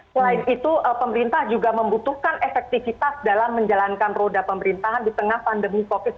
selain itu pemerintah juga membutuhkan efektivitas dalam menjalankan roda pemerintahan di tengah pandemi covid sembilan belas